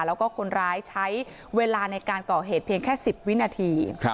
แล้วก็คนร้ายใช้เวลาในการก่อเหตุเพียงแค่๑๐วินาที